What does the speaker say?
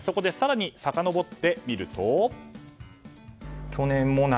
そこで更にさかのぼってみると。